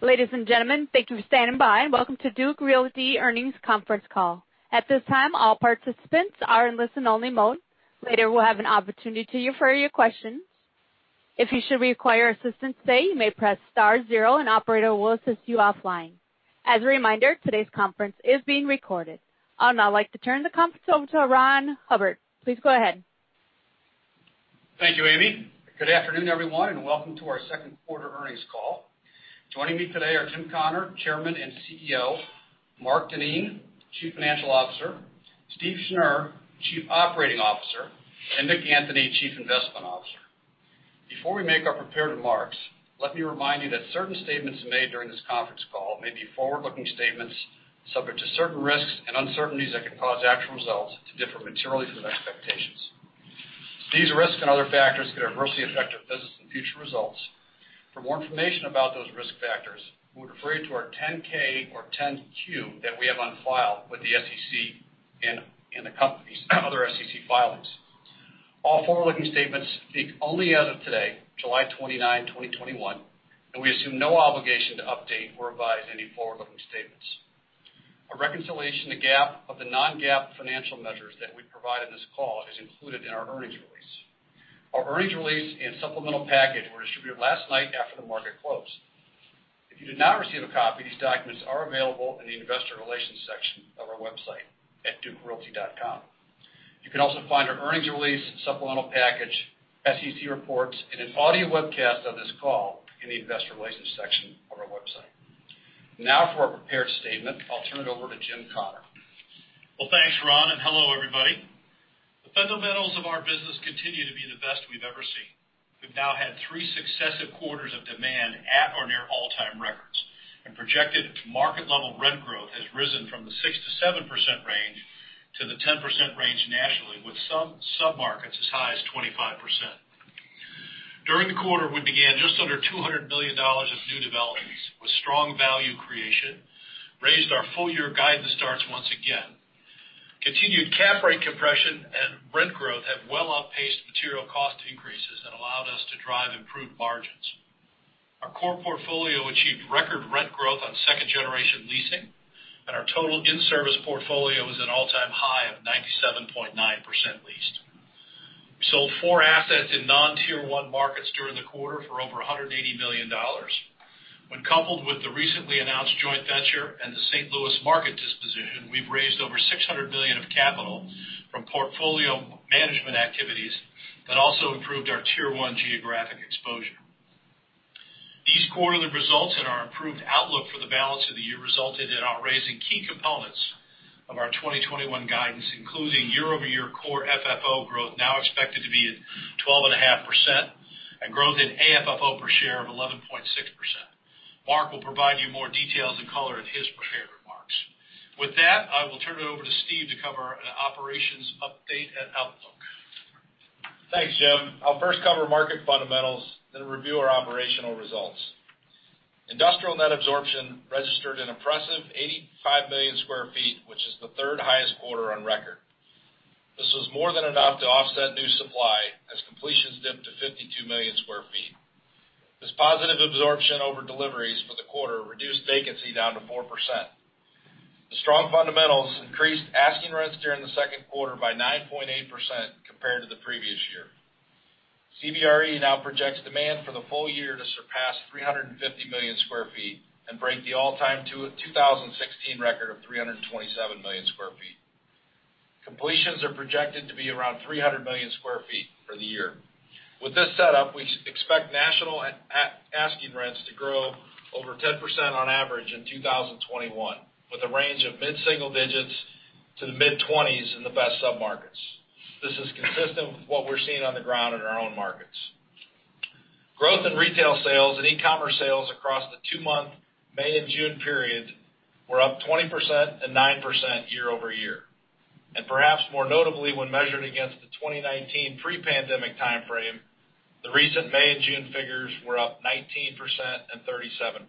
Ladies and gentlemen, thank you for standing by. Welcome to Duke Realty earnings conference call. At this time, all participants are in listen-only mode. Later, we'll have an opportunity to you for your questions. If you should require assistance today, you may press star zero and operator will assist you offline. As a reminder, today's conference is being recorded. I would now like to turn the conference over to Ron Hubbard. Please go ahead. Thank you, Amy. Good afternoon, everyone, and welcome to our second quarter earnings call. Joining me today are Jim Connor, Chairman and CEO; Mark Denien, Chief Financial Officer; Steve Schnur, Chief Operating Officer; and Nick Anthony, Chief Investment Officer. Before we make our prepared remarks, let me remind you that certain statements made during this conference call may be forward-looking statements subject to certain risks and uncertainties that could cause actual results to differ materially from expectations. These risks and other factors could adversely affect our business and future results. For more information about those risk factors, we would refer you to our 10-K or 10-Q that we have on file with the SEC and the company's other SEC filings. All forward-looking statements speak only as of today, July 29, 2021, and we assume no obligation to update or revise any forward-looking statements. A reconciliation to GAAP of the non-GAAP financial measures that we provide in this call is included in our earnings release. Our earnings release and supplemental package were distributed last night after the market closed. If you did not receive a copy, these documents are available in the investor relations section of our website at dukerealty.com. You can also find our earnings release, supplemental package, SEC reports, and an audio webcast of this call in the investor relations section of our website. Now for our prepared statement. I'll turn it over to Jim Connor. Well, thanks, Ron, hello, everybody. The fundamentals of our business continue to be the best we've ever seen. We've now had three successive quarters of demand at or near all-time records, projected market level rent growth has risen from the 6%-7% range to the 10% range nationally, with some sub-markets as high as 25%. During the quarter, we began just under $200 million of new developments with strong value creation, raised our full-year guidance starts once again. Continued cap rate compression and rent growth have well outpaced material cost increases and allowed us to drive improved margins. Our core portfolio achieved record rent growth on second generation leasing, our total in-service portfolio is at an all-time high of 97.9% leased. We sold four assets in non-Tier 1 markets during the quarter for over $180 million. When coupled with the recently announced joint venture and the St. Louis market disposition, we've raised over $600 million of capital from portfolio management activities that also improved our Tier 1 geographic exposure. These quarterly results and our improved outlook for the balance of the year resulted in our raising key components of our 2021 guidance, including year-over-year Core FFO growth now expected to be at 12.5% and growth in AFFO per share of 11.6%. Mark will provide you more details and color in his prepared remarks. With that, I will turn it over to Steve to cover an operations update and outlook. Thanks, Jim. I'll first cover market fundamentals, then review our operational results. Industrial net absorption registered an impressive 85 million sq ft, which is the third highest quarter on record. This was more than enough to offset new supply as completions dipped to 52 million sq ft. This positive absorption over deliveries for the quarter reduced vacancy down to 4%. The strong fundamentals increased asking rents during the second quarter by 9.8% compared to the previous year. CBRE now projects demand for the full year to surpass 350 million sq ft and break the all-time 2016 record of 327 million sq ft. Completions are projected to be around 300 million sq ft for the year. With this setup, we expect national asking rents to grow over 10% on average in 2021, with a range of mid-single digits to the mid-20s in the best submarkets. This is consistent with what we're seeing on the ground in our own markets. Growth in retail sales and e-commerce sales across the two-month May and June period were up 20% and 9% year-over-year. Perhaps more notably when measured against the 2019 pre-pandemic timeframe, the recent May and June figures were up 19% and 37%.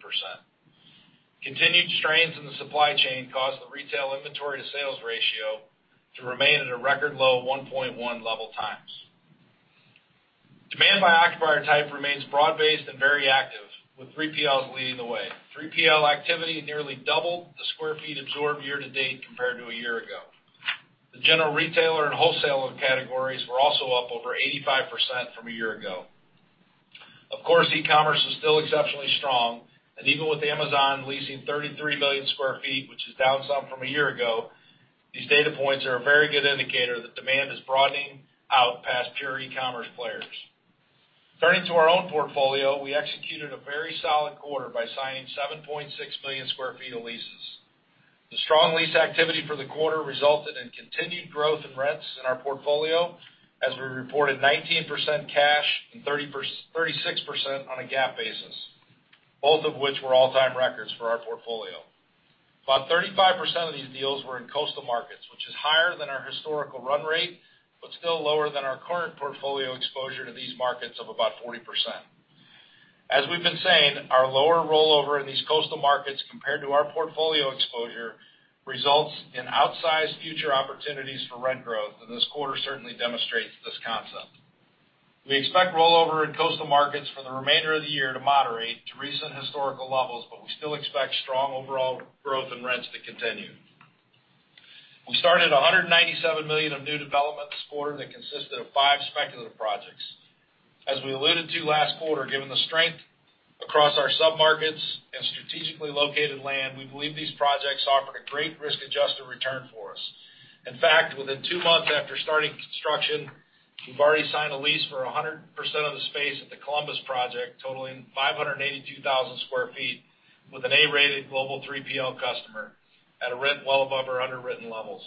Continued strains in the supply chain caused the retail inventory to sales ratio to remain at a record low 1.1 level times. Demand by occupier type remains broad-based and very active, with 3PLs leading the way. 3PL activity nearly doubled the square feet absorbed year-to-date compared to a year ago. The general retailer and wholesaler categories were also up over 85% from a year ago. Of course, e-commerce is still exceptionally strong, and even with Amazon leasing 33 million sq ft, which is down some from a year ago, these data points are a very good indicator that demand is broadening out past pure e-commerce players. Turning to our own portfolio, we executed a very solid quarter by signing 7.6 million sq ft of leases. The strong lease activity for the quarter resulted in continued growth in rents in our portfolio, as we reported 19% cash and 36% on a GAAP basis, both of which were all-time records for our portfolio. About 35% of these deals were in coastal markets, which is higher than our historical run rate, but still lower than our current portfolio exposure to these markets of about 40%. As we've been saying, our lower rollover in these coastal markets compared to our portfolio exposure results in outsized future opportunities for rent growth, and this quarter certainly demonstrates this concept. We expect rollover in coastal markets for the remainder of the year to moderate to recent historical levels, but we still expect strong overall growth in rents to continue. We started $197 million of new development this quarter that consisted of five speculative projects. As we alluded to last quarter, given the strength across our submarkets and strategically located land, we believe these projects offered a great risk-adjusted return for us. In fact, within two months after starting construction, we've already signed a lease for 100% of the space at the Columbus project, totaling 582,000 sq ft, with an A-rated global 3PL customer at a rent well above our underwritten levels.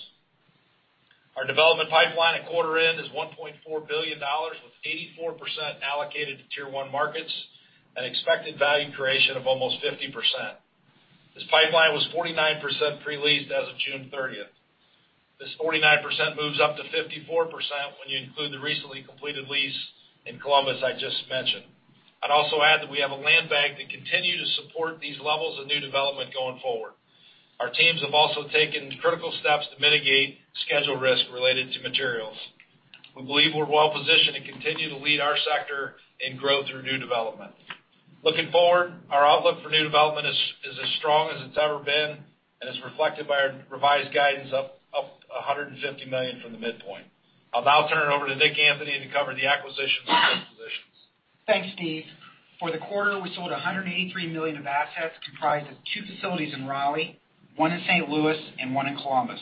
Our development pipeline at quarter end is $1.4 billion, with 84% allocated to Tier 1 markets, an expected value creation of almost 50%. This pipeline was 49% pre-leased as of June 30th. This 49% moves up to 54% when you include the recently completed lease in Columbus I just mentioned. I'd also add that we have a land bank that continue to support these levels of new development going forward. Our teams have also taken critical steps to mitigate schedule risk related to materials. We believe we're well positioned and continue to lead our sector in growth through new development. Looking forward, our outlook for new development is as strong as it's ever been and is reflected by our revised guidance up $150 million from the midpoint. I'll now turn it over to Nick Anthony to cover the acquisitions and dispositions. Thanks, Steve. For the quarter, we sold $183 million of assets comprised of two facilities in Raleigh, one in St. Louis, and one in Columbus.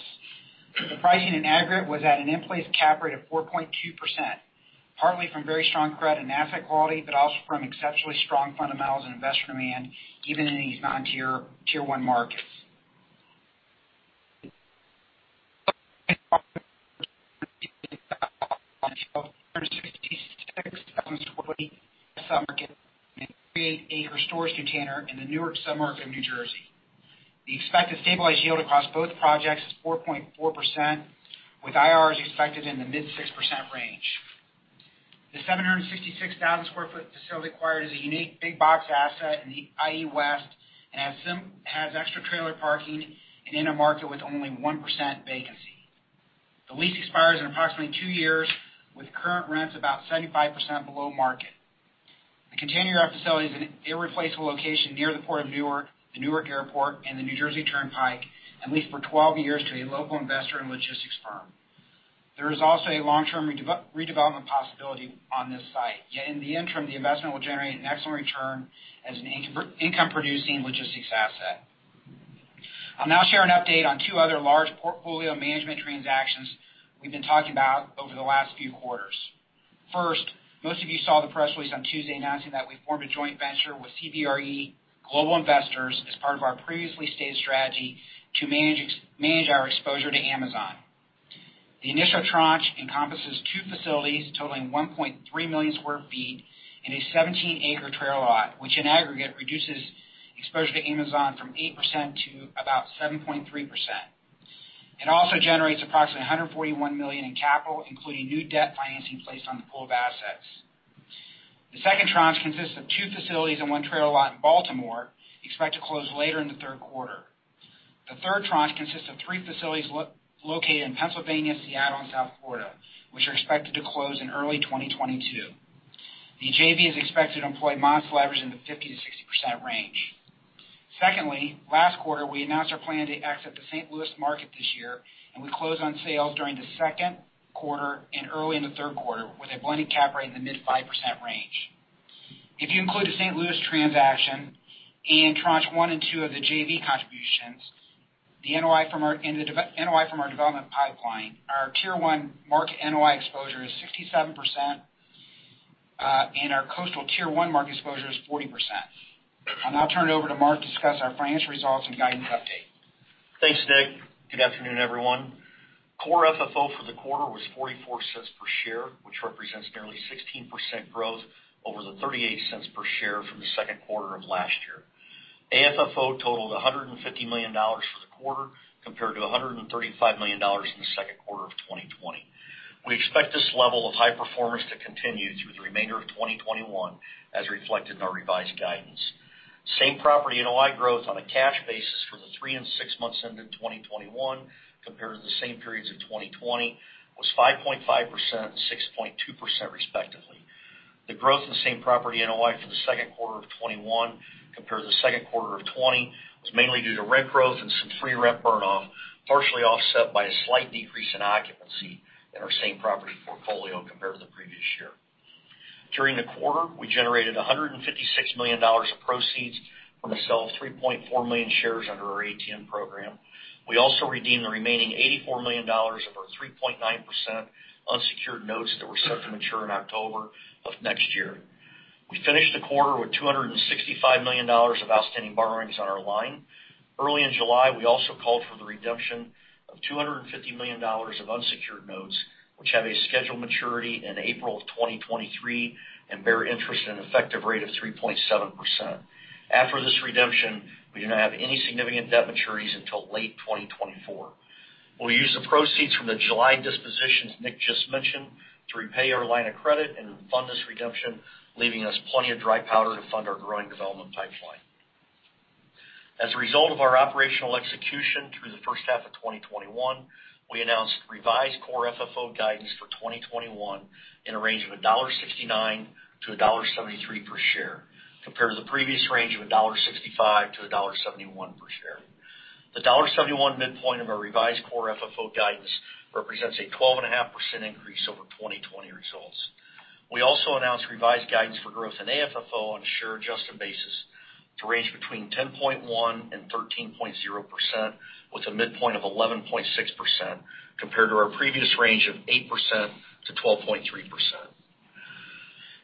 The pricing in aggregate was at an in-place cap rate of 4.2%, partly from very strong credit and asset quality, but also from exceptionally strong fundamentals and investor demand, even in these non-Tier 1 markets. 766,000 sq ft submarket storage container in the Newark submarket of New Jersey. The expected stabilized yield across both projects is 4.4%, with IRRs expected in the mid 6% range. The 766,000 sq ft facility acquired is a unique big box asset in the IE West and has extra trailer parking and in a market with only 1% vacancy. The lease expires in approximately two years with current rents about 75% below market. The container facility is an irreplaceable location near the Port of Newark, the Newark Airport, and the New Jersey Turnpike, and leased for 12 years to a local investor and logistics firm. There is also a long-term redevelopment possibility on this site, yet in the interim, the investment will generate an excellent return as an income-producing logistics asset. I'll now share an update on two other large portfolio management transactions we've been talking about over the last few quarters. First, most of you saw the press release on Tuesday announcing that we formed a joint venture with CBRE Investment Management as part of our previously stated strategy to manage our exposure to Amazon. The initial tranche encompasses two facilities totaling 1.3 million sq ft and a 17-acre trailer lot, which in aggregate reduces exposure to Amazon from 8% to about 7.3%. It also generates approximately $141 million in capital, including new debt financing placed on the pool of assets. The second tranche consists of two facilities and one trailer lot in Baltimore, expect to close later in the third quarter. The third tranche consists of three facilities located in Pennsylvania, Seattle, and South Florida, which are expected to close in early 2022. The JV is expected to employ most leverage in the 50%-60% range. Secondly, last quarter, we announced our plan to exit the St. Louis market this year, and we closed on sales during the second quarter and early in the third quarter with a blended cap rate in the mid 5% range. If you include the St. Louis transaction and tranche one and two of the JV contributions, the NOI from our development pipeline, our Tier 1 market NOI exposure is 67%, and our coastal Tier 1 market exposure is 40%. I'll now turn it over to Mark to discuss our financial results and guidance update. Thanks, Nick. Good afternoon, everyone. Core FFO for the quarter was $0.44 per share, which represents nearly 16% growth over the $0.38 per share from the second quarter of last year. AFFO totaled $150 million for the quarter, compared to $135 million in the second quarter of 2020. We expect this level of high performance to continue through the remainder of 2021, as reflected in our revised guidance. Same property NOI growth on a cash basis for the three and six months ended 2021, compared to the same periods of 2020, was 5.5% and 6.2% respectively. The growth in the same property NOI for the second quarter of 2021 compares to the second quarter of 2020 was mainly due to rent growth and some free rent burn off, partially offset by a slight decrease in occupancy in our same property portfolio compared to the previous year. During the quarter, we generated $156 million of proceeds from the sale of 3.4 million shares under our ATM program. We also redeemed the remaining $84 million of our 3.9% unsecured notes that were set to mature in October of 2023. We finished the quarter with $265 million of outstanding borrowings on our line. Early in July, we also called for the redemption of $250 million of unsecured notes, which have a scheduled maturity in April of 2023 and bear interest in an effective rate of 3.7%. After this redemption, we do not have any significant debt maturities until late 2024. We'll use the proceeds from the July dispositions Nick just mentioned to repay our line of credit and fund this redemption, leaving us plenty of dry powder to fund our growing development pipeline. As a result of our operational execution through the first half of 2021, we announced revised Core FFO guidance for 2021 in a range of $1.69-$1.73 per share, compared to the previous range of $1.65-$1.71 per share. The $1.71 midpoint of our revised Core FFO guidance represents a 12.5% increase over 2020 results. We also announced revised guidance for growth in AFFO on a share adjusted basis to range between 10.1% and 13.0%, with a midpoint of 11.6%, compared to our previous range of 8%-12.3%.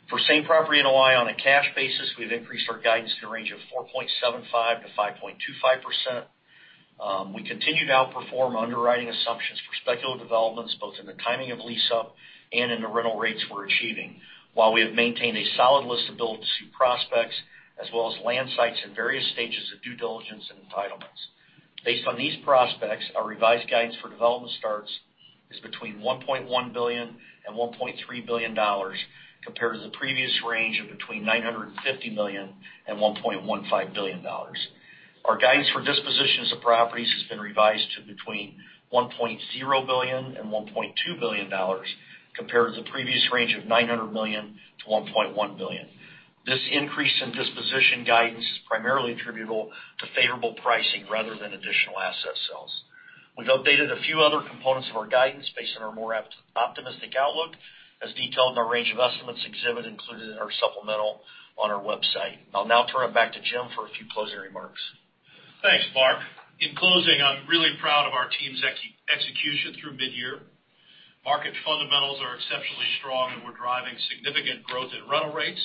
For same property NOI on a cash basis, we've increased our guidance in a range of 4.75%-5.25%. We continue to outperform underwriting assumptions for speculative developments, both in the timing of lease up and in the rental rates we're achieving. While we have maintained a solid list of build-to-suit prospects, as well as land sites in various stages of due diligence and entitlements. Based on these prospects, our revised guidance for development starts is between $1.1 billion and $1.3 billion, compared to the previous range of between $950 million and $1.15 billion. Our guidance for dispositions of properties has been revised to between $1.0 billion and $1.2 billion, compared to the previous range of $900 million-$1.1 billion. This increase in disposition guidance is primarily attributable to favorable pricing rather than additional asset sales. We've updated a few other components of our guidance based on our more optimistic outlook, as detailed in our range of estimates exhibit included in our supplemental on our website. I'll now turn it back to Jim for a few closing remarks. Thanks, Mark. In closing, I'm really proud of our team's execution through mid-year. Market fundamentals are exceptionally strong, and we're driving significant growth in rental rates,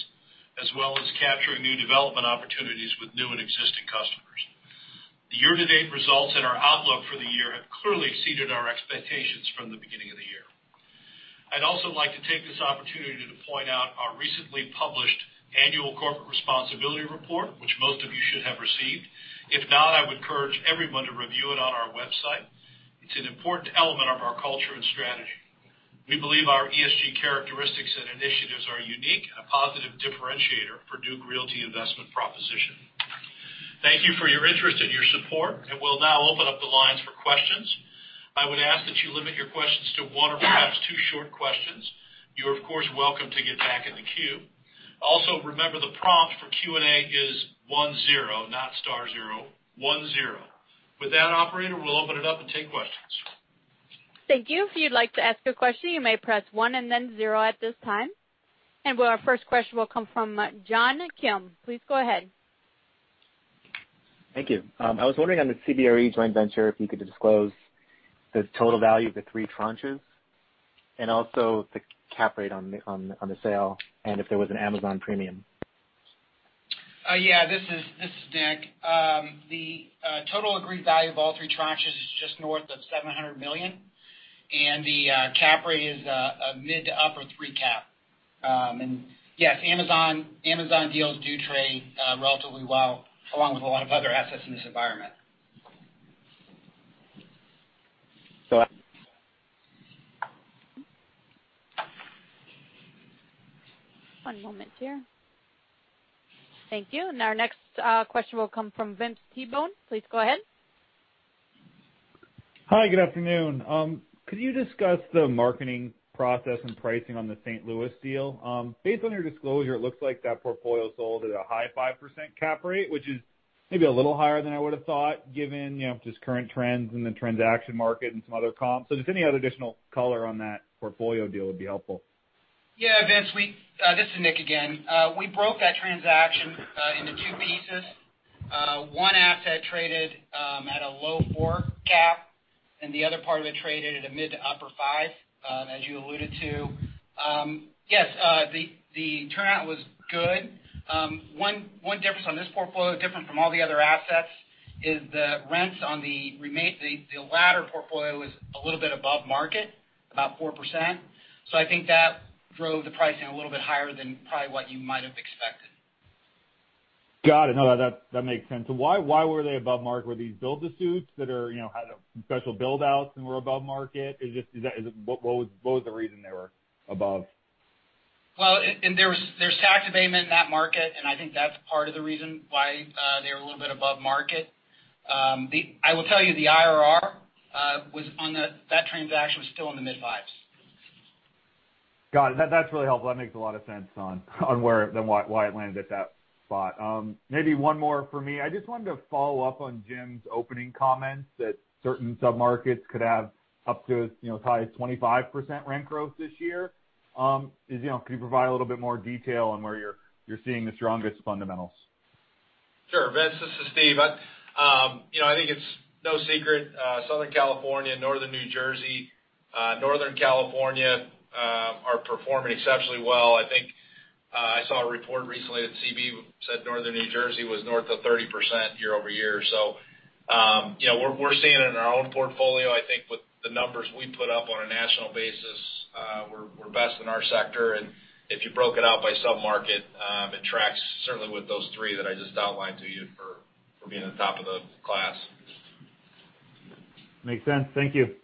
as well as capturing new development opportunities with new and existing customers. The year-to-date results and our outlook for the year have clearly exceeded our expectations from the beginning of the year. I'd also like to take this opportunity to point out our recently published annual Corporate Responsibility Report, which most of you should have received. If not, I would encourage everyone to review it on our website. It's an important element of our culture and strategy. We believe our ESG characteristics and initiatives are unique and a positive differentiator for Duke Realty investment proposition. Thank you for your interest and your support, and we'll now open up the lines for questions. I would ask that you limit your questions to one or perhaps two short questions. You're, of course, welcome to get back in the queue. Remember the prompt for Q&A is one zero, not star zero. One zero. Operator, we'll open it up and take questions. Thank you. If you'd like to ask a question, you may press one and then zero at this time. Our first question will come from John Kim. Please go ahead. Thank you. I was wondering on the CBRE joint venture, if you could disclose the total value of the three tranches and also the cap rate on the sale and if there was an Amazon premium. This is Nick. The total agreed value of all three tranches is just north of $700 million. The cap rate is a mid to upper 3% cap. Yes, Amazon deals do trade relatively well, along with a lot of other assets in this environment. So I- One moment here. Thank you. Our next question will come from Vince Tibone. Please go ahead. Hi. Good afternoon. Could you discuss the marketing process and pricing on the St. Louis deal? Based on your disclosure, it looks like that portfolio sold at a high 5% cap rate, which is maybe a little higher than I would've thought given just current trends in the transaction market and some other comps. Just any other additional color on that portfolio deal would be helpful. Yeah, Vince. This is Nick again. We broke that transaction into two pieces. One asset traded at a low 4% cap, and the other part of it traded at a mid to upper 5%, as you alluded to. Yes, the turnout was good. One difference on this portfolio, different from all the other assets, is the rents on the latter portfolio is a little bit above market, about 4%. I think that drove the pricing a little bit higher than probably what you might have expected. Got it. No, that makes sense. Why were they above market? Were these build to suits that had special build-outs and were above market? What was the reason they were above? Well, there's tax abatement in that market, and I think that's part of the reason why they were a little bit above market. I will tell you, the IRR on that transaction was still in the mid fives. Got it. That really helps. That makes a lot of sense on why it landed at that spot. Maybe one more from me. I just wanted to follow up on Jim's opening comments that certain submarkets could have up to as high as 25% rent growth this year. Can you provide a little bit more detail on where you're seeing the strongest fundamentals? Sure, Vince. This is Steve. I think it's no secret, Southern California, Northern New Jersey, Northern California are performing exceptionally well. I think I saw a report recently that CBRE said Northern New Jersey was north of 30% year-over-year. We're seeing it in our own portfolio. I think with the numbers we put up on a national basis, we're best in our sector, and if you broke it out by submarket, it tracks certainly with those three that I just outlined to you for being the top of the class. Makes sense. Thank you.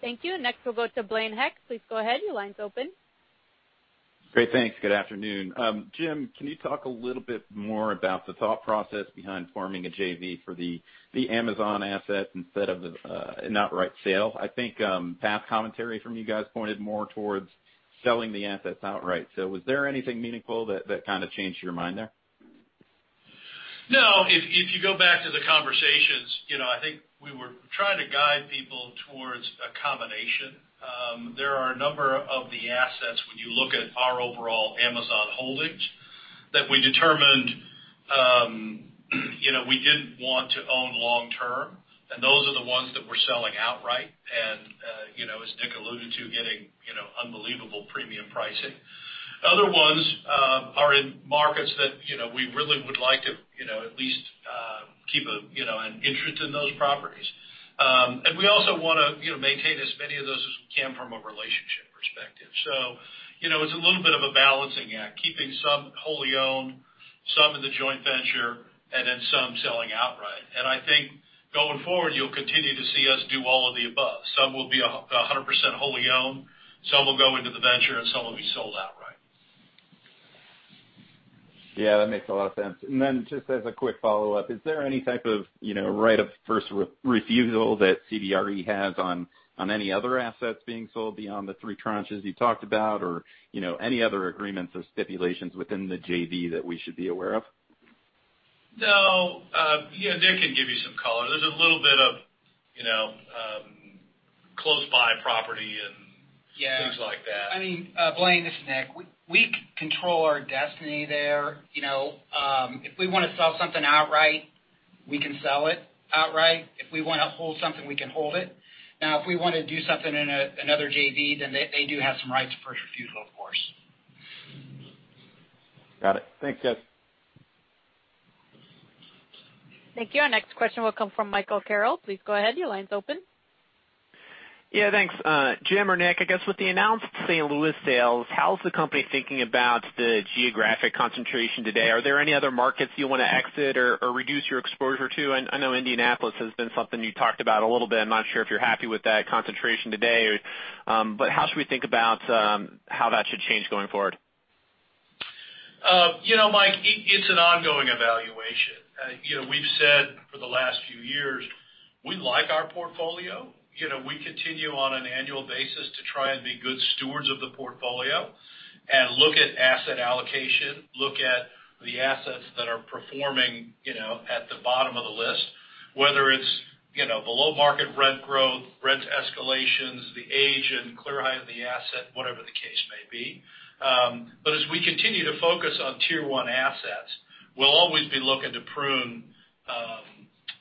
Thank you. Next we'll go to Blaine Heck. Please go ahead. Your line's open. Great. Thanks. Good afternoon. Jim, can you talk a little bit more about the thought process behind forming a JV for the Amazon assets instead of an outright sale? I think past commentary from you guys pointed more towards selling the assets outright. Was there anything meaningful that kind of changed your mind there? No. If you go back to the conversations, I think we were trying to guide people towards a combination. There are a number of the assets when you look at our overall Amazon holdings that we determined we didn't want to own long-term, and those are the ones that we're selling outright, and, as Nick alluded to, getting unbelievable premium pricing. Other ones are in markets that we really would like to at least keep an interest in those properties. We also want to maintain as many of those as we can from a relationship perspective. It's a little bit of a balancing act, keeping some wholly owned, some in the joint venture, and then some selling outright. I think going forward, you'll continue to see us do all of the above. Some will be 100% wholly owned, some will go into the venture, and some will be sold outright. Yeah, that makes a lot of sense. Just as a quick follow-up, is there any type of right of first refusal that CBRE has on any other assets being sold beyond the three tranches you talked about, or any other agreements or stipulations within the JV that we should be aware of? No. Nick can give you some color. There's a little bit of close by property. Yeah Things like that. Blaine, this is Nick. We control our destiny there. If we want to sell something outright, we can sell it outright. If we want to hold something, we can hold it. Now, if we want to do something in another JV, then they do have some rights of first refusal, of course. Got it. Thanks, guys. Thank you. Our next question will come from Michael Carroll. Please go ahead. Your line's open. Thanks. Jim or Nick, I guess with the announced St. Louis sales, how's the company thinking about the geographic concentration today? Are there any other markets you want to exit or reduce your exposure to? I know Indianapolis has been something you talked about a little bit. I'm not sure if you're happy with that concentration today. How should we think about how that should change going forward? Mike, it's an ongoing evaluation. We've said for the last few years, we like our portfolio. We continue on an annual basis to try and be good stewards of the portfolio and look at asset allocation, look at the assets that are performing at the bottom of the list, whether it's below-market rent growth, rent escalations, the age and clear height of the asset, whatever the case may be. As we continue to focus on Tier 1 assets, we'll always be looking to prune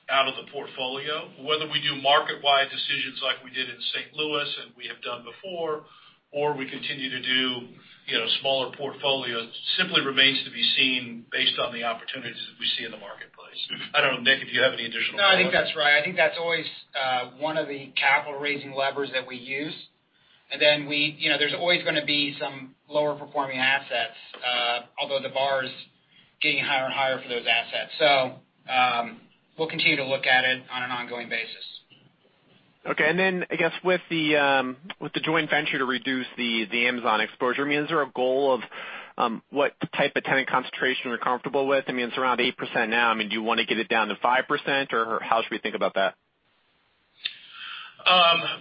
out of the portfolio. Whether we do market-wide decisions like we did in St. Louis, and we have done before, or we continue to do smaller portfolios, simply remains to be seen based on the opportunities that we see in the marketplace. I don't know, Nick, if you have any additional color. No, I think that's right. I think that's always one of the capital-raising levers that we use. There's always going to be some lower-performing assets. Although the bar is getting higher and higher for those assets. We'll continue to look at it on an ongoing basis. Okay. I guess with the joint venture to reduce the Amazon exposure, is there a goal of what type of tenant concentration you're comfortable with? It's around 8% now. Do you want to get it down to 5%, or how should we think about that?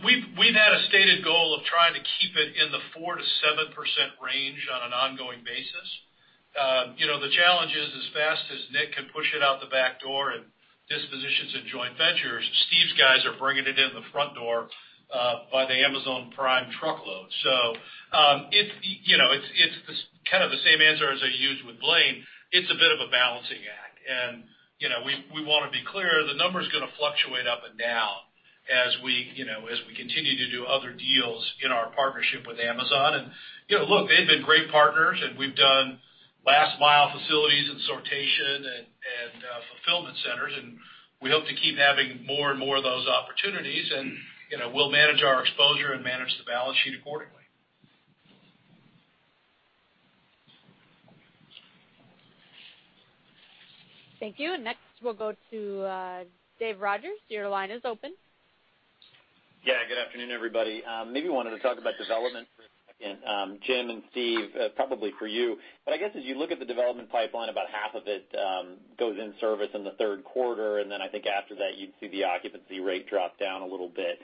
We've had a stated goal of trying to keep it in the 4%-7% range on an ongoing basis. The challenge is as fast as Nick can push it out the back door in dispositions and joint ventures, Steve's guys are bringing it in the front door, by the Amazon Prime truckload. It's kind of the same answer as I used with Blaine. It's a bit of a balancing act. We want to be clear, the number's going to fluctuate up and down as we continue to do other deals in our partnership with Amazon. Look, they've been great partners, and we've done last mile facilities and sortation and fulfillment centers, and we hope to keep having more and more of those opportunities and we'll manage our exposure and manage the balance sheet accordingly. Thank you. Next we'll go to Dave Rogers. Your line is open. Good afternoon, everybody. Maybe wanted to talk about development for a second. Jim and Steve, probably for you, but I guess as you look at the development pipeline, about 1/2 of it goes in service in the third quarter, and then I think after that, you see the occupancy rate drop down a little bit.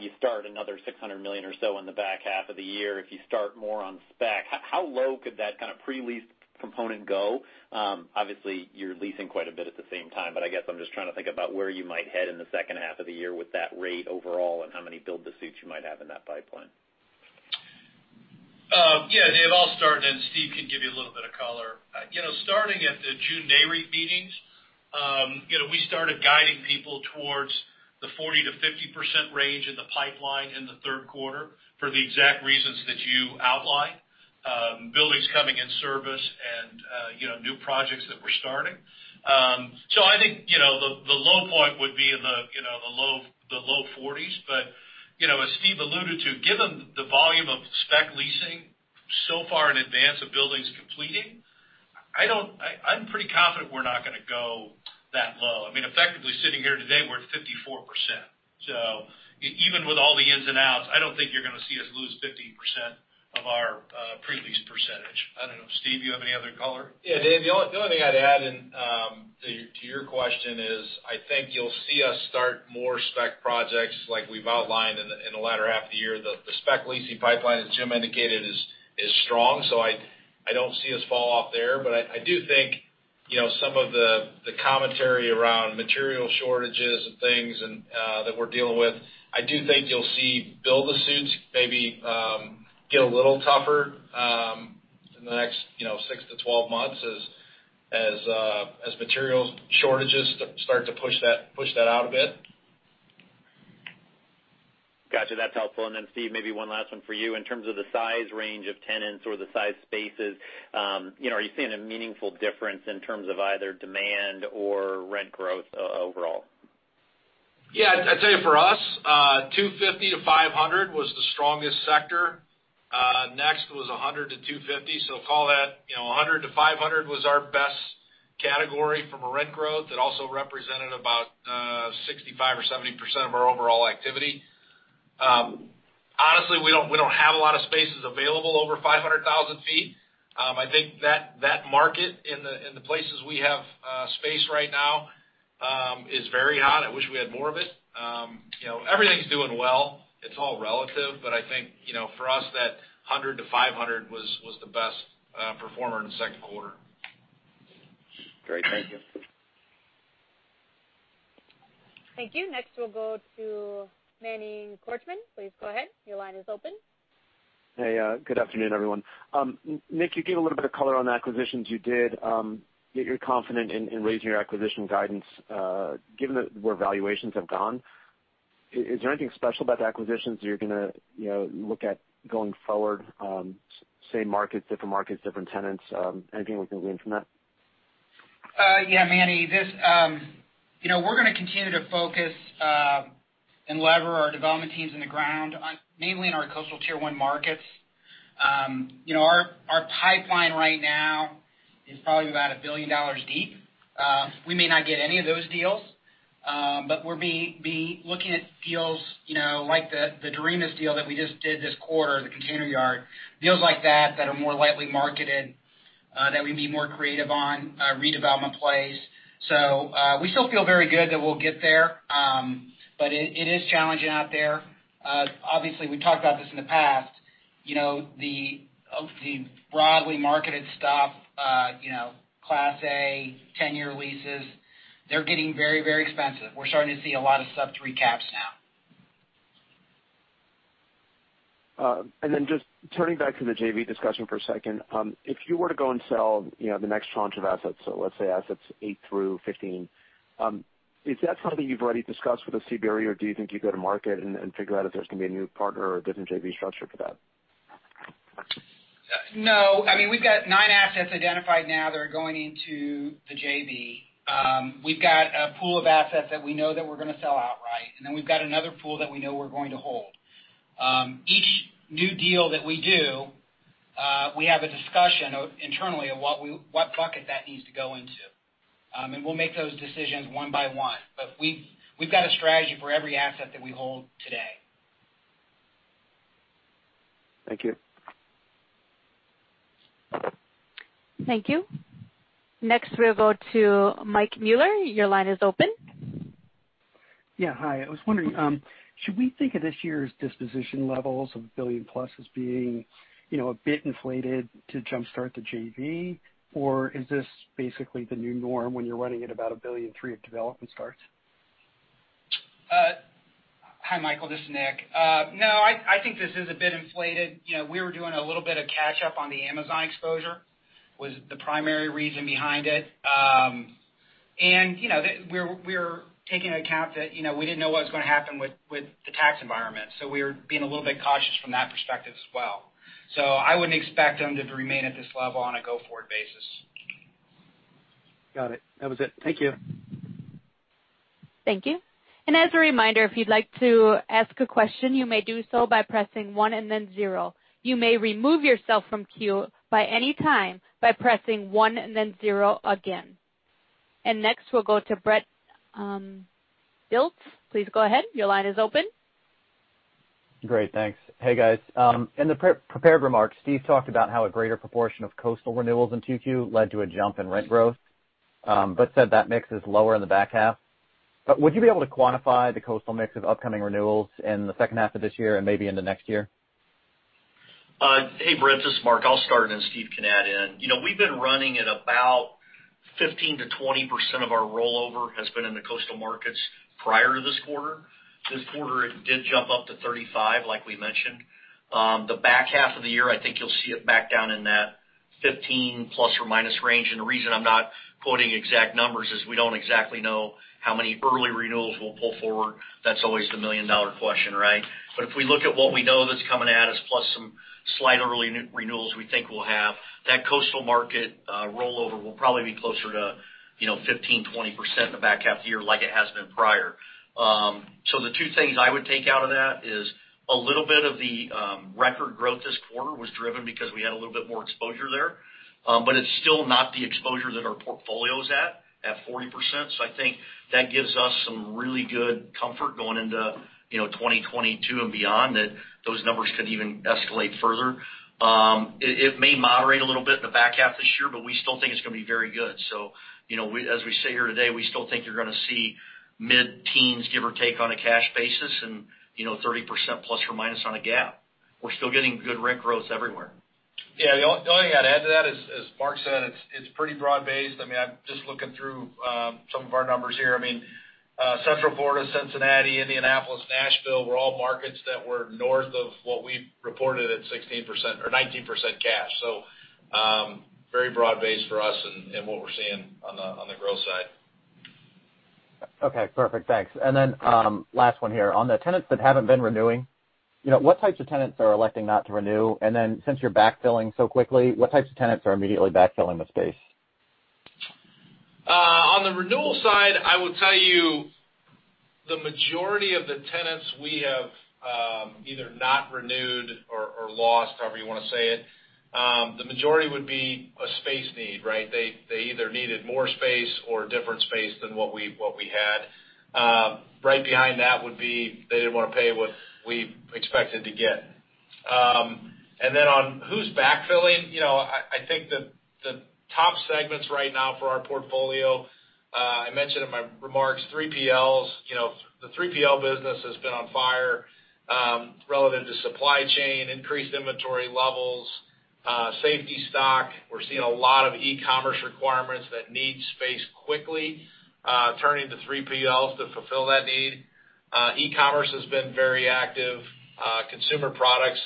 You start another $600 million or so in the back half of the year. If you start more on spec, how low could that kind of pre-leased component go? Obviously, you're leasing quite a bit at the same time, but I guess I'm just trying to think about where you might head in the second half of the year with that rate overall, and how many build-to-suits you might have in that pipeline. Yeah. Dave, I'll start, and Steve can give you a little bit of color. Starting at the June Nareit meetings, we started guiding people towards the 40%-50% range in the pipeline in the third quarter for the exact reasons that you outlined. Buildings coming in service and new projects that we're starting. I think the low point would be in the low 40%s. As Steve alluded to, given the volume of spec leasing so far in advance of buildings completing, I'm pretty confident we're not going to go. Effectively sitting here today, we're at 54%. Even with all the ins and outs, I don't think you're going to see us lose 15% of our pre-lease %. I don't know. Steve, you have any other color? Yeah, Dave, the only thing I'd add to your question is, I think you'll see us start more spec projects like we've outlined in the latter half of the year. The spec leasing pipeline, as Jim indicated, is strong. I don't see us fall off there. I do think some of the commentary around material shortages and things that we're dealing with, I do think you'll see build-to-suits maybe get a little tougher in the next six to 12 months as material shortages start to push that out a bit. Got you. That's helpful. Steve, maybe one last one for you. In terms of the size range of tenants or the size spaces, are you seeing a meaningful difference in terms of either demand or rent growth overall? Yeah. I tell you for us, 250-500 was the strongest sector. Next was 100-250. Call that 100-500 was our best category from a rent growth that also represented about 65% or 70% of our overall activity. Honestly, we don't have a lot of spaces available over 500,000 ft. I think that market, in the places we have space right now, is very hot. I wish we had more of it. Everything's doing well. It's all relative. I think for us, that 100-500 was the best performer in the second quarter. Great. Thank you. Thank you. Next, we'll go to Manny Korchman. Please go ahead. Hey. Good afternoon, everyone. Nick, you gave a little bit of color on the acquisitions you did, that you're confident in raising your acquisition guidance. Given where valuations have gone, is there anything special about the acquisitions that you're going to look at going forward? Same markets, different markets, different tenants. Anything we can glean from that? Yeah, Manny. We're going to continue to focus and lever our development teams on the ground, mainly in our coastal Tier 1 markets. Our pipeline right now is probably about $1 billion deep. We may not get any of those deals. We're looking at deals like the Doremus deal that we just did this quarter, the container yard. Deals like that are more lightly marketed, that we'd be more creative on, redevelopment plays. We still feel very good that we'll get there. It is challenging out there. Obviously, we've talked about this in the past. The broadly marketed stuff, Class A, 10-year leases, they're getting very expensive. We're starting to see a lot of sub-3% caps now. Just turning back to the JV discussion for a second. If you were to go and sell the next tranche of assets, so let's say assets eight through 15, is that something you've already discussed with a CBRE, or do you think you'd go to market and figure out if there's going to be a new partner or a different JV structure for that? No. We've got nine assets identified now that are going into the JV. We've got a pool of assets that we know that we're going to sell outright, and then we've got another pool that we know we're going to hold. Each new deal that we do, we have a discussion internally of what bucket that needs to go into. We'll make those decisions one by one. We've got a strategy for every asset that we hold today. Thank you. Thank you. Next, we'll go to Mike Mueller. Your line is open. Yeah. Hi. I was wondering, should we think of this year's disposition levels of a $1 billion+ as being a bit inflated to jumpstart the JV? Is this basically the new norm when you're running at about $1.3 billion of development starts? Hi, Michael, this is Nick. No, I think this is a bit inflated. We were doing a little bit of catch up on the Amazon exposure, was the primary reason behind it. We're taking into account that we didn't know what was going to happen with the tax environment. We are being a little bit cautious from that perspective as well. I wouldn't expect them to remain at this level on a go-forward basis. Got it. That was it. Thank you. Thank you. As a reminder, if you'd like to ask a question, you may do so by pressing one and then zero. You may remove yourself from queue by any time by pressing one and then zero again. Next, we'll go to Brent Dilts. Please go ahead. Your line is open. Great. Thanks. Hey, guys. In the prepared remarks, Steve talked about how a greater proportion of coastal renewals in 2Q led to a jump in rent growth, but said that mix is lower in the back half. Would you be able to quantify the coastal mix of upcoming renewals in the second half of this year and maybe into next year? Hey, Brent. This is Mark. I'll start, and then Steve can add in. We've been running at about 15%-20% of our rollover has been in the coastal markets prior to this quarter. This quarter, it did jump up to 35%, like we mentioned. The back half of the year, I think you'll see it back down in that 15 ± range, and the reason I'm not quoting exact numbers is we don't exactly know how many early renewals we'll pull forward. That's always the $1 million question, right? If we look at what we know that's coming at us, plus some slight early renewals we think we'll have, that coastal market rollover will probably be closer to 15%-20% in the back half of the year like it has been prior. The two things I would take out of that is a little bit of the record growth this quarter was driven because we had a little bit more exposure there. It's still not the exposure that our portfolio's at 40%. I think that gives us some really good comfort going into 2022 and beyond, that those numbers could even escalate further. It may moderate a little bit in the back half of this year, but we still think it's going to be very good. As we sit here today, we still think you're going to see mid-teens give or take on a cash basis and 30% ± on a GAAP. We're still getting good rent growths everywhere. Yeah. The only thing I'd add to that is, as Mark said, it's pretty broad-based. I'm just looking through some of our numbers here. Central Florida, Cincinnati, Indianapolis, Nashville, were all markets that were north of what we've reported at 16% or 19% cash. Very broad-based for us in what we're seeing on the growth side. Okay, perfect. Thanks. Last one here. On the tenants that haven't been renewing, what types of tenants are electing not to renew? Since you're backfilling so quickly, what types of tenants are immediately backfilling the space? On the renewal side, I will tell you the majority of the tenants we have either not renewed or lost, however you want to say it. The majority would be a space need, right? They either needed more space or different space than what we had. Right behind that would be, they didn't want to pay what we expected to get. On who's backfilling, I think the top segments right now for our portfolio, I mentioned in my remarks, 3PLs. The 3PL business has been on fire relative to supply chain, increased inventory levels, safety stock. We're seeing a lot of e-commerce requirements that need space quickly, turning to 3PLs to fulfill that need. E-commerce has been very active. Consumer products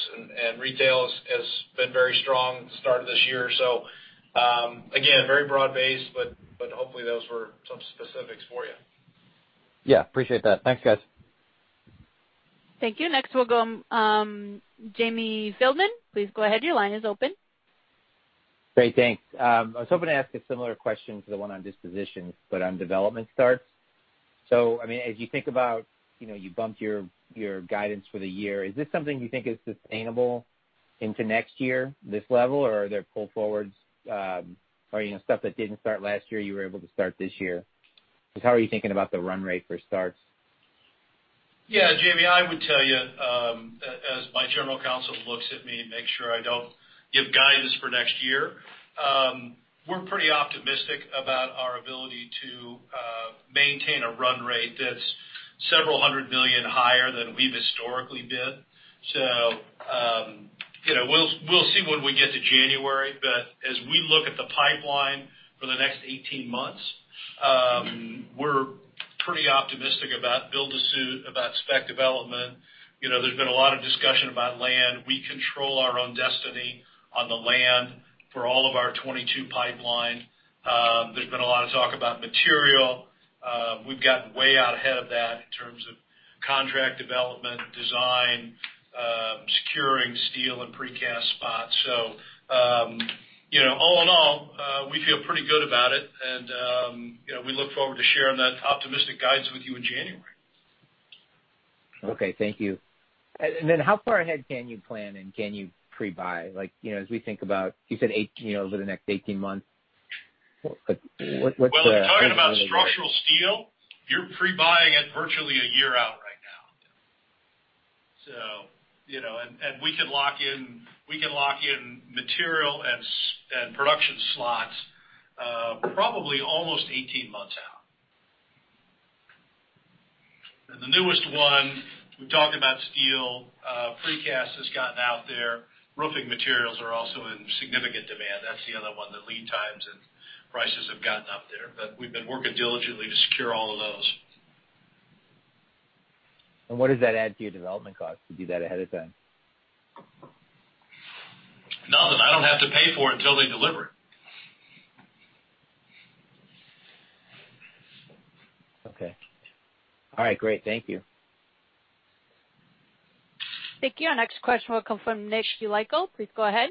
and retail has been very strong at the start of this year. Again, very broad based, but hopefully those were some specifics for you. Yeah. Appreciate that. Thanks, guys. Thank you. Next, we'll go Jamie Feldman. Please go ahead. Great. Thanks. I was hoping to ask a similar question to the one on dispositions, but on development starts. As you think about, you bumped your guidance for the year, is this something you think is sustainable into next year, this level, or are there pull forwards, or stuff that didn't start last year, you were able to start this year? How are you thinking about the run rate for starts? Yeah, Jamie, I would tell you, as my general counsel looks at me to make sure I don't give guidance for next year. We're pretty optimistic about our ability to maintain a run rate that's several $100 million higher than we've historically been. We'll see when we get to January, but as we look at the pipeline for the next 18 months, we're pretty optimistic about build to suit, about spec development. There's been a lot of discussion about land. We control our own destiny on the land for all of our 2022 pipeline. There's been a lot of talk about material. We've gotten way out ahead of that in terms of contract development, design, securing steel and precast spots. All in all, we feel pretty good about it and we look forward to sharing that optimistic guidance with you in January. Okay, thank you. How far ahead can you plan, and can you pre-buy? As we think about, you said over the next 18 months. Well, if you're talking about structural steel, you're pre-buying it virtually a year out right now. We can lock in material and production slots probably almost 18 months out. The newest one, we've talked about steel. Precast has gotten out there. Roofing materials are also in significant demand. That's the other one, the lead times and prices have gotten up there. We've been working diligently to secure all of those. What does that add to your development cost to do that ahead of time? Nothing. I don't have to pay for it until they deliver. Okay. All right. Great. Thank you. Thank you. Our next question will come from Nick Yulico. Please go ahead.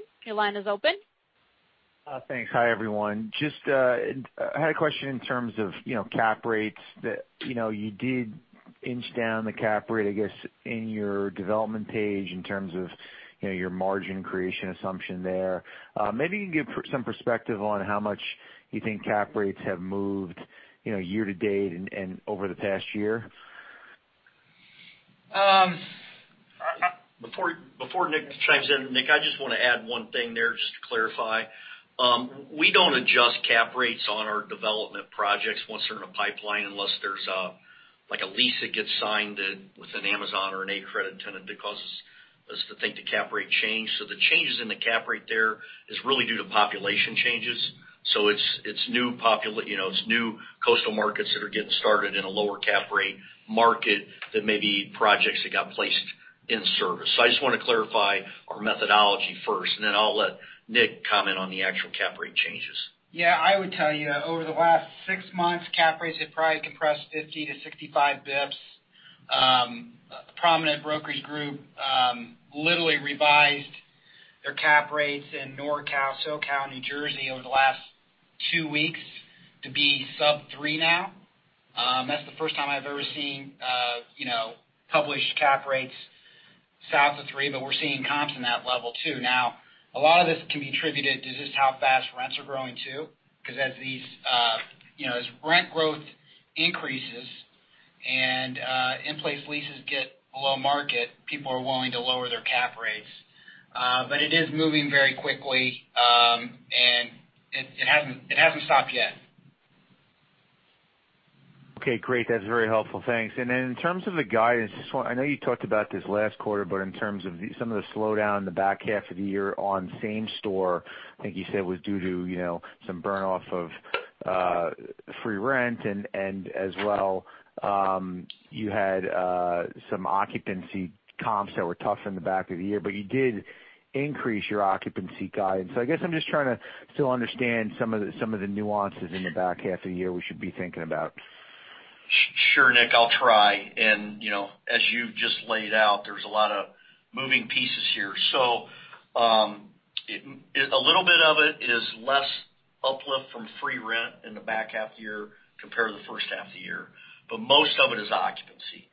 Thanks. Hi, everyone. Just had a question in terms of cap rates that you did inch down the cap rate, I guess, in your development page in terms of your margin creation assumption there. Maybe you can give some perspective on how much you think cap rates have moved year-to-date and over the past year. Before Nick chimes in. Nick, I just want to add one thing there just to clarify. We don't adjust cap rates on our development projects once they're in a pipeline, unless there's a lease that gets signed with an Amazon or an A credit tenant that causes us to think the cap rate changed. The changes in the cap rate there is really due to population changes. It's new coastal markets that are getting started in a lower cap rate market than maybe projects that got placed in service. I just want to clarify our methodology first, and then I'll let Nick comment on the actual cap rate changes. Yeah. I would tell you, over the last six months, cap rates have probably compressed 50 to 65 basis points. A prominent brokerage group literally revised Their cap rates in NorCal, SoCal, New Jersey over the last two weeks to be sub 3% now. That's the first time I've ever seen published cap rates south of 3%, we're seeing comps in that level too. A lot of this can be attributed to just how fast rents are growing too, because as rent growth increases and in-place leases get below market, people are willing to lower their cap rates. It is moving very quickly, and it hasn't stopped yet. Okay, great. That's very helpful. Thanks. Then in terms of the guidance, I know you talked about this last quarter, but in terms of some of the slowdown in the back half of the year on same store, I think you said it was due to some burn-off of free rent, and as well, you had some occupancy comps that were tough in the back of the year. You did increase your occupancy guidance. I guess I'm just trying to still understand some of the nuances in the back half of the year we should be thinking about. Sure, Nick, I'll try. As you've just laid out, there's a lot of moving pieces here. A little bit of it is less uplift from free rent in the back half of the year compared to the first half of the year. Most of it is occupancy.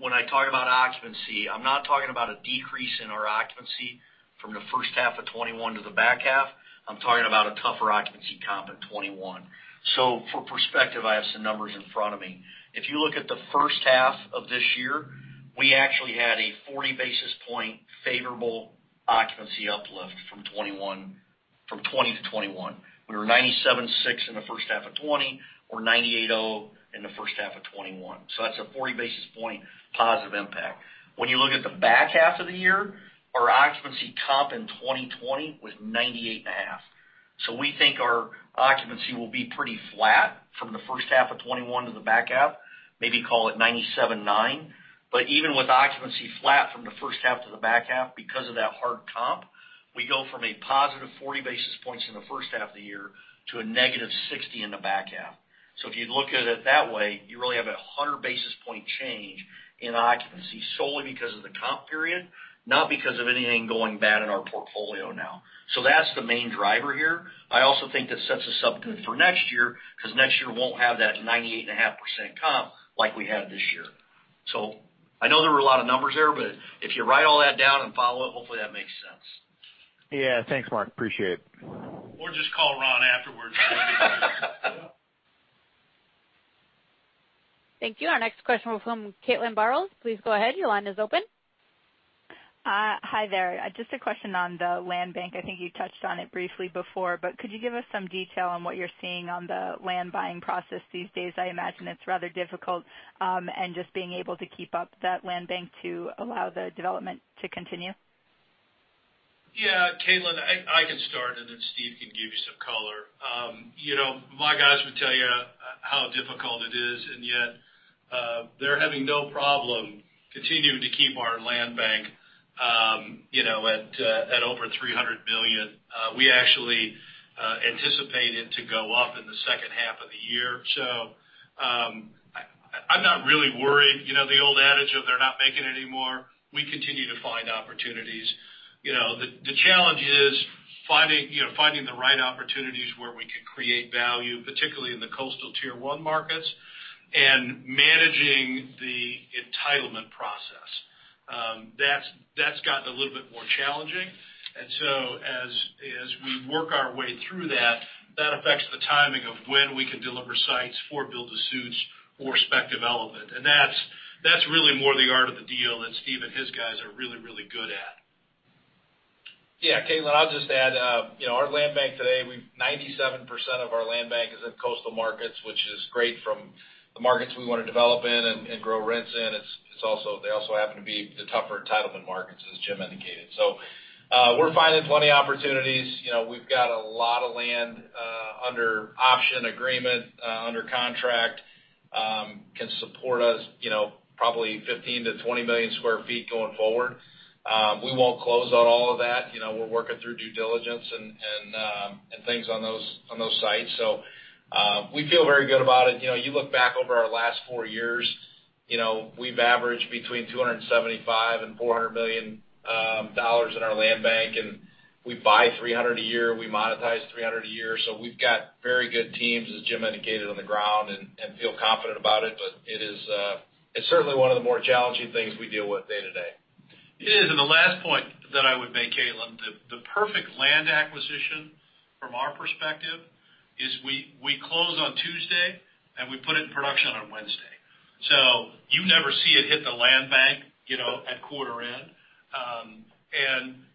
When I talk about occupancy, I'm not talking about a decrease in our occupancy from the first half of 2021 to the back half. I'm talking about a tougher occupancy comp at 2021. For perspective, I have some numbers in front of me. If you look at the first half of this year, we actually had a 40 basis point favorable occupancy uplift from 2020 to 2021. We were 97.6 in the first half of 2020. We're 98.0 in the first half of 2021. That's a 40 basis point positive impact. When you look at the back half of the year, our occupancy comp in 2020 was 98.5. We think our occupancy will be pretty flat from the first half of 2021 to the back half, maybe call it 97.9. Even with occupancy flat from the first half to the back half because of that hard comp, we go from a +40 basis points in the first half of the year to a -60 in the back half. If you look at it that way, you really have a 100 basis point change in occupancy solely because of the comp period, not because of anything going bad in our portfolio now. That's the main driver here. I also think that sets us up good for next year, because next year won't have that 98.5% comp like we had this year. I know there were a lot of numbers there, but if you write all that down and follow it, hopefully that makes sense. Yeah. Thanks, Mark. Appreciate it. Just call Ron afterwards. Thank you. Our next question will from Caitlin Burrows. Please go ahead. Your line is open. Hi, there. Just a question on the land bank. I think you touched on it briefly before, but could you give us some detail on what you're seeing on the land buying process these days? I imagine it's rather difficult, and just being able to keep up that land bank to allow the development to continue. Caitlin, I can start, and then Steve can give you some color. My guys would tell you how difficult it is, and yet they're having no problem continuing to keep our land bank at over $300 billion. We actually anticipated to go up in the second half of the year. I'm not really worried. The old adage of they're not making it anymore. We continue to find opportunities. The challenge is finding the right opportunities where we can create value, particularly in the coastal Tier 1 markets, and managing the entitlement process. That's gotten a little bit more challenging. As we work our way through that affects the timing of when we can deliver sites for build-to-suits or spec development. That's really more the art of the deal that Steve and his guys are really good at. Yeah, Caitlin. I'll just add, our land bank today, 97% of our land bank is in coastal markets, which is great from the markets we want to develop in and grow rents in. They also happen to be the tougher entitlement markets, as Jim indicated. We're finding plenty of opportunities. We've got a lot of land under option agreement, under contract, can support us probably 15 million sq ft-20 million sq ft going forward. We won't close on all of that. We're working through due diligence and things on those sites. We feel very good about it. You look back over our last four years, we've averaged between $275 million and $400 million in our land bank, and we buy 300 a year. We monetize 300 a year. We've got very good teams, as Jim indicated, on the ground and feel confident about it. It's certainly one of the more challenging things we deal with day-to-day. It is. The last point that I would make, Caitlin, the perfect land acquisition from our perspective is we close on Tuesday, and we put it in production on Wednesday. You never see it hit the land bank at quarter end.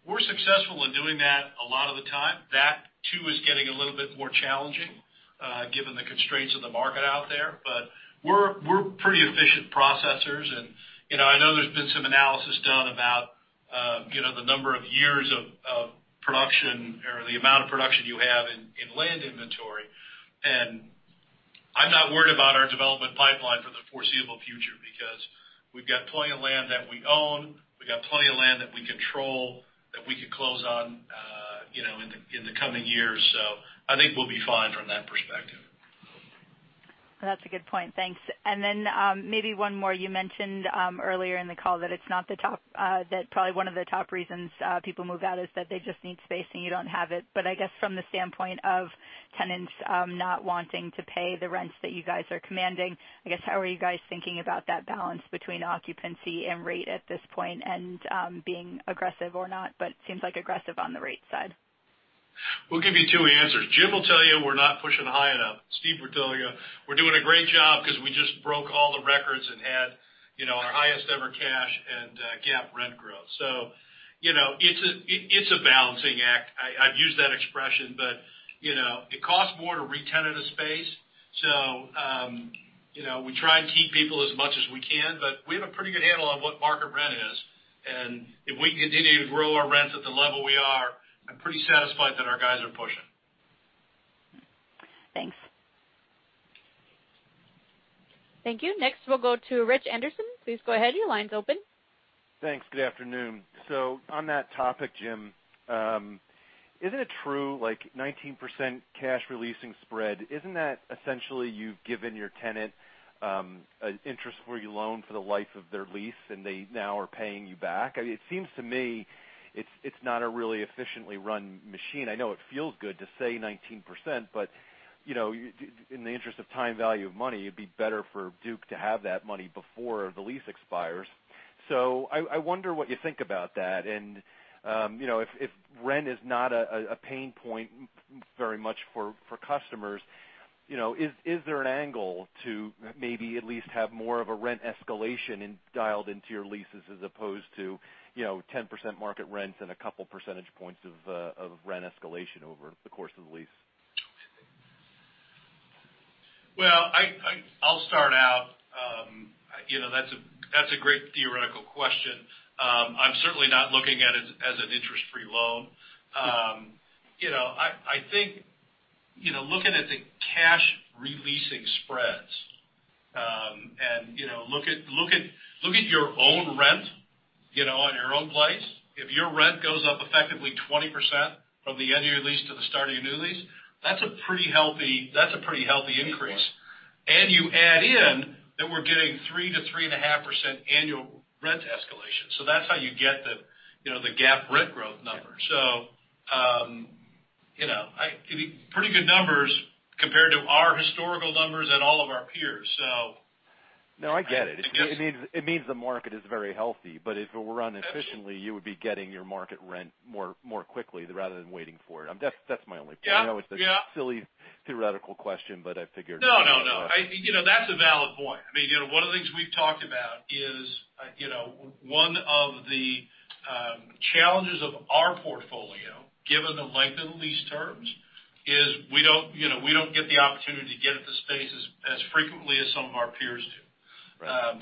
We're successful in doing that a lot of the time. That, too, is getting a little bit more challenging given the constraints of the market out there. We're pretty efficient processors, and I know there's been some analysis done about the number of years of production or the amount of production you have in land inventory. I'm not worried about our development pipeline for the foreseeable future because we've got plenty of land that we own, we've got plenty of land that we control that we could close on. The coming years. I think we'll be fine from that perspective. That's a good point. Thanks. Maybe one more. You mentioned earlier in the call that probably one of the top reasons people move out is that they just need space, and you don't have it. I guess from the standpoint of tenants not wanting to pay the rents that you guys are commanding, how are you guys thinking about that balance between occupancy and rate at this point and being aggressive or not? It seems like aggressive on the rate side. We'll give you two answers. Jim will tell you we're not pushing high enough. Steve would tell you we're doing a great job because we just broke all the records and had our highest-ever cash and GAAP rent growth. It's a balancing act. I've used that expression, but it costs more to re-tenant a space. We try and keep people as much as we can, but we have a pretty good handle on what market rent is. If we continue to grow our rents at the level we are, I'm pretty satisfied that our guys are pushing. Thanks. Thank you. Next, we'll go to Richard Anderson. Please go ahead. Your line's open. Thanks. Good afternoon. On that topic, Jim, isn't it true, like 19% cash releasing spread, isn't that essentially you've given your tenant an interest-free loan for the life of their lease and they now are paying you back? It seems to me it's not a really efficiently run machine. I know it feels good to say 19%, but, in the interest of time value of money, it'd be better for Duke to have that money before the lease expires. I wonder what you think about that. If rent is not a pain point very much for customers, is there an angle to maybe at least have more of a rent escalation dialed into your leases as opposed to 10% market rents and a couple percentage points of rent escalation over the course of the lease? Well, I'll start out. That's a great theoretical question. I'm certainly not looking at it as an interest-free loan. I think, looking at the cash re-leasing spreads, and look at your own rent, on your own place. If your rent goes up effectively 20% from the end of your lease to the start of your new lease, that's a pretty healthy increase. You add in that we're getting 3%-3.5% annual rent escalation. That's how you get the GAAP rent growth number. Pretty good numbers compared to our historical numbers and all of our peers. No, I get it. Yes. It means the market is very healthy. If it were run efficiently, you would be getting your market rent more quickly rather than waiting for it. That's my only point. Yeah. I know it's a silly theoretical question, but I figured. No. That's a valid point. One of the things we've talked about is, one of the challenges of our portfolio, given the length of the lease terms, is we don't get the opportunity to get at the spaces as frequently as some of our peers do. Right.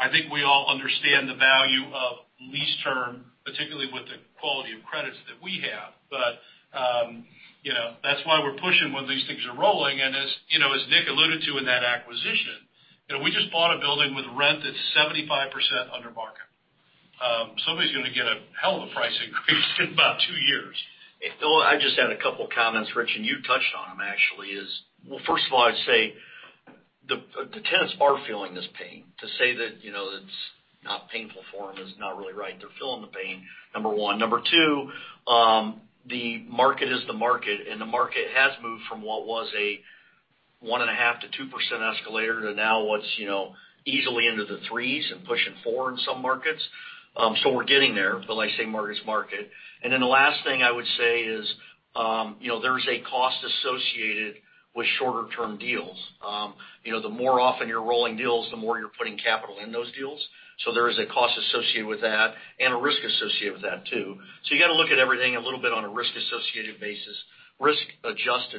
I think we all understand the value of lease term, particularly with the quality of credits that we have. That's why we're pushing when these things are rolling, and as Nick alluded to in that acquisition, we just bought a building with rent that's 75% under market. Somebody's gonna get a hell of a price increase in about two years. It feels, I just had a couple of comments, Rich, you touched on them, actually, well, first of all, I'd say the tenants are feeling this pain. To say that it's not painful for them is not really right. They're feeling the pain, number one. Number two, the market is the market. The market has moved from what was a 1.5%-2% escalator to now what's easily into the 3%s and pushing 4% in some markets. We're getting there, like I say, market's market. The last thing I would say is, there's a cost associated with shorter-term deals. The more often you're rolling deals, the more you're putting capital in those deals. There is a cost associated with that and a risk associated with that, too. You got to look at everything a little bit on a risk-adjusted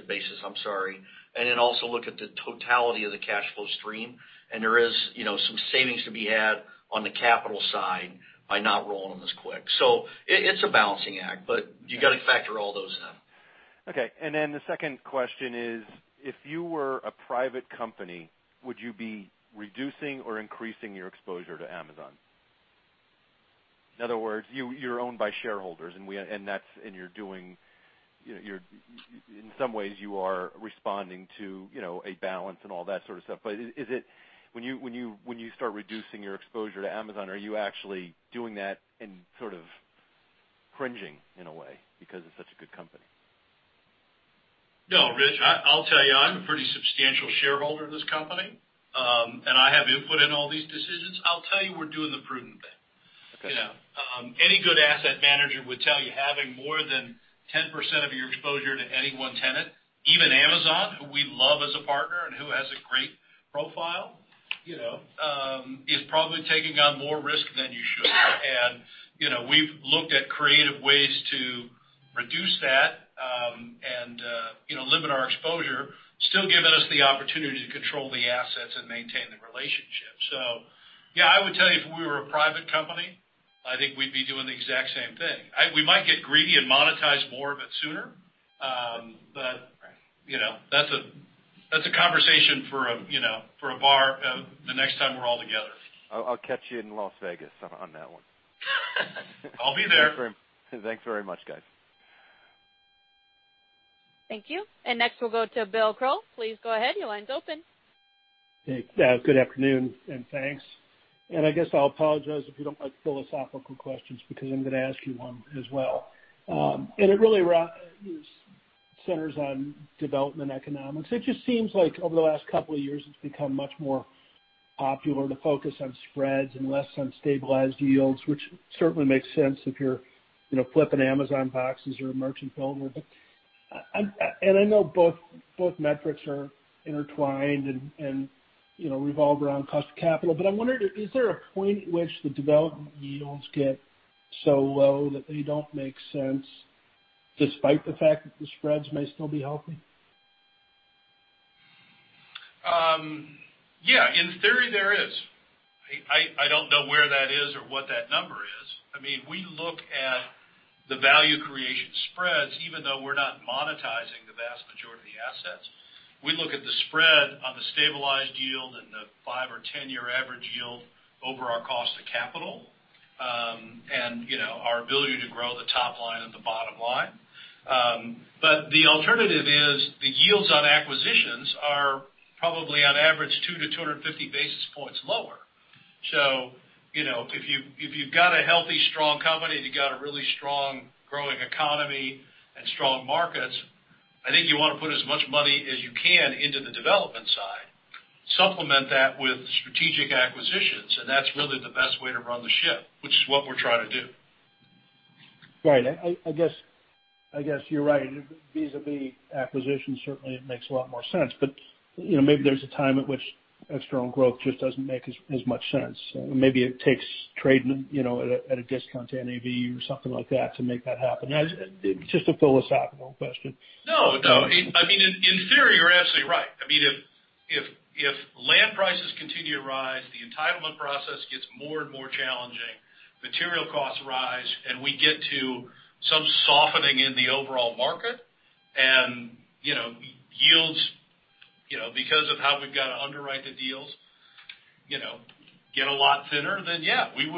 basis, I'm sorry, and then also look at the totality of the cash flow stream. There is some savings to be had on the capital side by not rolling them as quick. It's a balancing act, but you got to factor all those in. Okay. The second question is: If you were a private company, would you be reducing or increasing your exposure to Amazon? In other words, you're owned by shareholders, and in some ways you are responding to a balance and all that sort of stuff. When you start reducing your exposure to Amazon, are you actually doing that and sort of cringing in a way because it's such a good company? No, Rich, I'll tell you, I'm a pretty substantial shareholder of this company, and I have input in all these decisions. I'll tell you, we're doing the prudent thing. Okay. Any good asset manager would tell you, having more than 10% of your exposure to any one tenant, even Amazon, who we love as a partner and who has a great profile, is probably taking on more risk than you should. We've looked at creative ways to reduce that, and limit our exposure, still giving us the opportunity to control the assets and maintain the relationship. Yeah, I would tell you, if we were a private company, I think we'd be doing the exact same thing. We might get greedy and monetize more of it sooner. That's a conversation for a bar the next time we're all together. I'll catch you in Las Vegas on that one. I'll be there. Thanks very much, guys. Thank you. Next, we'll go to William Crow. Please go ahead. Your line's open. Hey. Good afternoon, and thanks. I guess I'll apologize if you don't like philosophical questions, because I'm going to ask you one as well. It really centers on development economics. It just seems like over the last couple of years, it's become much more popular to focus on spreads and less on stabilized yields, which certainly makes sense if you're flipping Amazon boxes or a merchant fulfillment I know both metrics are intertwined and revolve around cost of capital, but I'm wondering, is there a point at which the development yields get so low that they don't make sense, despite the fact that the spreads may still be healthy? Yeah. In theory, there is. I don't know where that is or what that number is. We look at the value creation spreads, even though we're not monetizing the vast majority of the assets. We look at the spread on the stabilized yield and the five- or 10-year average yield over our cost of capital, and our ability to grow the top line and the bottom line. The alternative is the yields on acquisitions are probably on average 2 to 250 basis points lower. If you've got a healthy, strong company, and you've got a really strong growing economy and strong markets, I think you want to put as much money as you can into the development side, supplement that with strategic acquisitions, and that's really the best way to run the ship, which is what we're trying to do. Right. I guess you're right. Vis-a-vis acquisitions, certainly it makes a lot more sense. Maybe there's a time at which external growth just doesn't make as much sense. Maybe it takes trading at a discount to NAV or something like that to make that happen. Just a philosophical question. No, I mean, in theory, you're absolutely right. If land prices continue to rise, the entitlement process gets more and more challenging, material costs rise, and we get to some softening in the overall market, and yields, because of how we've got to underwrite the deals, get a lot thinner, then yeah, we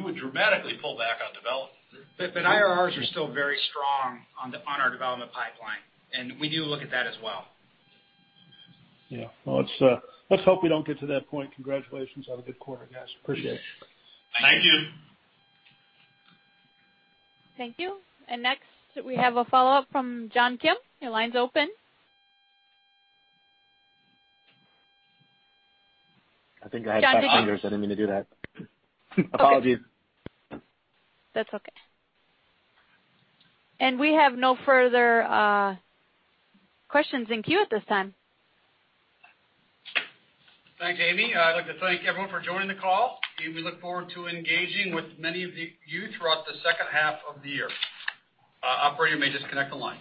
would dramatically pull back on development. IRRs are still very strong on our development pipeline, and we do look at that as well. Yeah. Well, let's hope we don't get to that point. Congratulations on a good quarter, guys. Appreciate it. Thank you. Thank you. Next, we have a follow-up from John Kim. Your line's open. I think I hit star fingers. I didn't mean to do that. Apologies. That's okay. We have no further questions in queue at this time. Thanks, Amy. I'd like to thank everyone for joining the call. We look forward to engaging with many of you throughout the second half of the year. Operator, you may disconnect the line.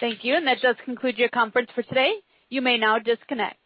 Thank you. That does conclude your conference for today. You may now disconnect.